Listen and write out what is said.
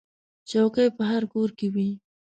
چوکۍ په هر کور کې وي.